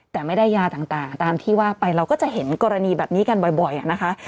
แต่ไม่ได้ยาต่างตามที่ว่าไปเราก็จะเห็นกรณีแบบนี้กันบ่อยนะคะ